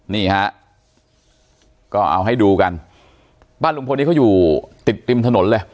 นี่ฮะก็เอาให้ดูกันบ้านลุงพลนี้เขาอยู่ติดริมถนนเลย